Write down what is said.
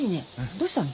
どうしたの？